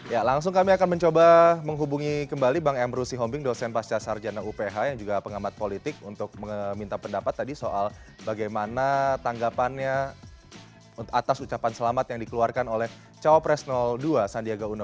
ya langsung kami akan mencoba menghubungi kembali bang emru sihombing dosen pasca sarjana uph yang juga pengamat politik untuk meminta pendapat tadi soal bagaimana tanggapannya atas ucapan selamat yang dikeluarkan oleh cawapres dua sandiaga uno